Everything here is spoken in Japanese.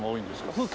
風景？